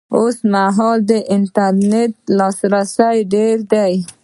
اوس مهال د انټرنېټ لاسرسی ډېر دی